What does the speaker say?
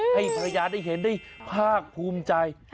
ให้ภรรยาได้เห็นได้ภาคภูมิใจ